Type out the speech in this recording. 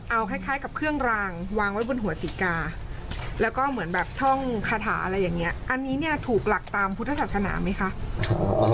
เอาคล้ายกับเครื่องรางวางไว้บนหัวสิกาแล้วก็เหมือนแบบท่องคาถาอะไรอย่างนี้อันนี้เนี่ยถูกหลักตามพุทธศาสนาไหมคะ